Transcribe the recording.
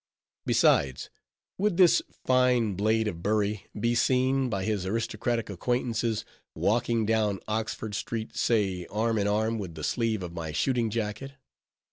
Besides, would this fine blade of Bury be seen, by his aristocratic acquaintances, walking down Oxford street, say, arm in arm with the sleeve of my shooting jacket?